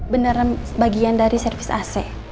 beneran bagian dari servis ac